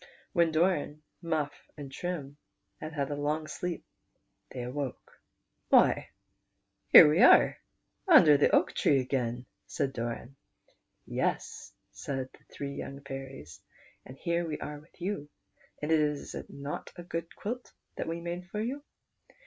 When Doran, Miiff, and Trim had had a long sleep they awoke. " Why, here we are, under the oak tree again," said Doran. "Yes," said the three young fairies, "and here we are with \'ou, and is not that a good quilt which we made for } ou